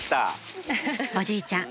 おじいちゃん